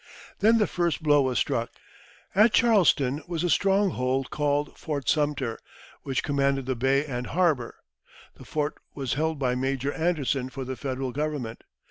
Then the first blow was struck. At Charleston was a stronghold called Fort Sumter, which commanded the bay and harbour. The fort was held by Major Andersen for the Federal Government.